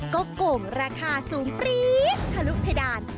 ก็โก่งราคาสูงปรี๊ดทะลุเพดาน